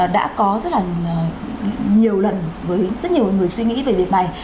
đã có rất là nhiều lần với rất nhiều người suy nghĩ về việc này